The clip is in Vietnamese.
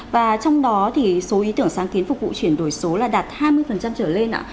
và trong đó thì số ý tưởng sáng kiến phục vụ chuyển đổi số là đạt hai mươi trở lên ạ